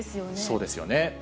そうですよね。